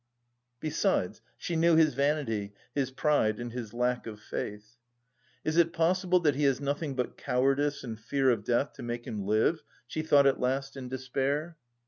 Besides she knew his vanity, his pride and his lack of faith. "Is it possible that he has nothing but cowardice and fear of death to make him live?" she thought at last in despair.